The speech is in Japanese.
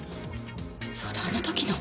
そうだあの時の。